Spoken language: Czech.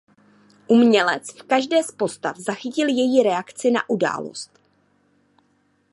Umělec v každé z postav zachytil její reakci na událost.